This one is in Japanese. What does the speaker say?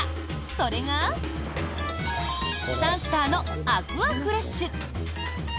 それがサンスターのアクアフレッシュ。